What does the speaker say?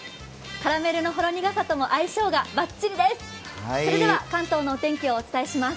カラメルほろ苦さとも相性がばっちりです。